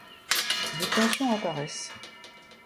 Des tensions apparaissent.